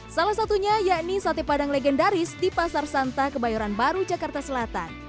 salah satunya yakni sate padang legendaris di pasar santa kebayoran baru jakarta selatan